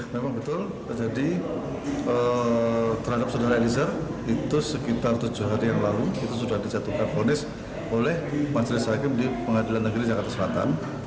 memang betul terjadi terhadap saudara eliezer itu sekitar tujuh hari yang lalu itu sudah dijatuhkan ponis oleh majelis hakim di pengadilan negeri jakarta selatan